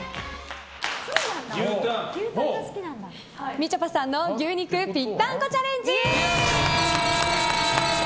みちょぱさんの牛肉ぴったんこチャレンジ！